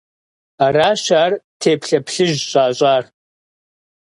Аращ ар теплъэ плъыжь щӏащӏар.